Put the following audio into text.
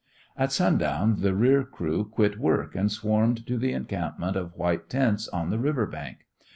At sundown the rear crew quit work, and swarmed to the encampment of white tents on the river bank.